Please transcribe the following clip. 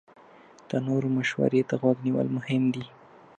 د نورو مشورې ته غوږ نیول مهم دي.